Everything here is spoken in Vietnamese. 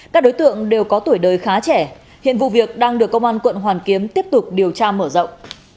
các đối tượng đều có tuổi đời khá trẻ hiện vụ việc đang được công an quận hoàn kiếm tiếp tục điều tra mở rộng